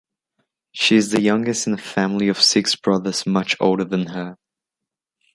She is the youngest in a family of six brothers much older than her.